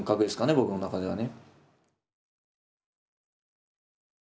僕の中ではね。